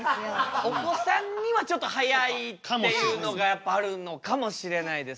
お子さんにはちょっと速いっていうのがやっぱりあるのかもしれないですね。